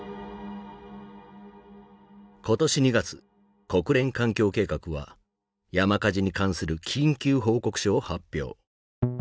今年２月国連環境計画は山火事に関する緊急報告書を発表。